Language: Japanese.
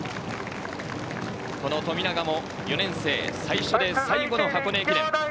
冨永も４年生、最初で最後の箱根駅伝。